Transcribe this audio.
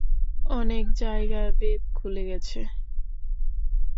অনেক জায়গায় বেত খুলে গেছে।